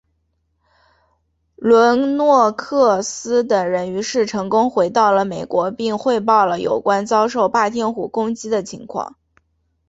伦诺克斯等人于是成功回到了美国并汇报了有关遭受霸天虎攻击的情况。